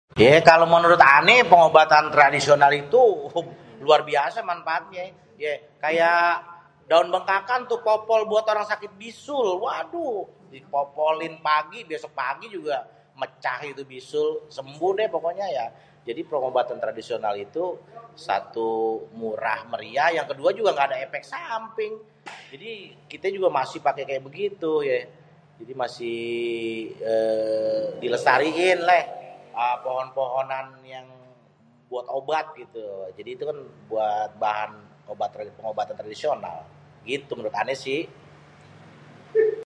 Ya kalo menurut ané pengobatan tradisional itu luar biasa manfaatnyé yé, kayak daun bekakan tu popol buat orang sakit bisul waduh dipopolin pagi besok pagi juga mecah itu bisul. Sembuh deh pokoknya ya, jadi pengobatan tradisional itu satu murah meriah, yang kedua juga ngga ada efek samping. Jadi kité juga masih pake begitu yé, jadi masih dilestariin léh pohon-pohonan yang buat obat gitu, jadi itu kan buat bahan pengobatan tradisional gitu menurut ané sih.